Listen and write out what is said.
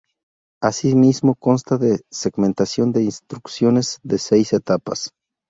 Así mismo consta de segmentación de instrucciones de seis etapas.